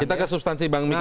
kita ke substansi bang miko